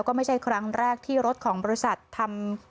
ก็ไม่ใช่ครั้งแรกที่รถของบริษัททำ